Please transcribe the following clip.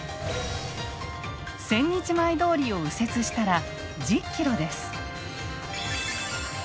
千日前通を右折したら１０ｋｍです。